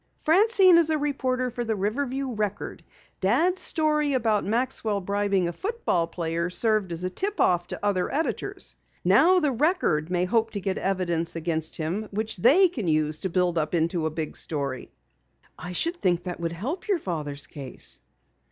"Francine is a reporter for the Riverview Record. Dad's story about Maxwell bribing a football player served as a tip off to other editors. Now the Record may hope to get evidence against him which they can build up into a big story." "I should think that would help your father's case."